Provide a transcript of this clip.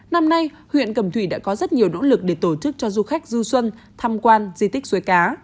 năm nay huyện cầm thủy đã có rất nhiều nỗ lực để tổ chức cho du khách du xuân tham quan di tích suối cá